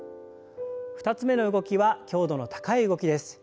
２つ目の動きは強度の高い動きです。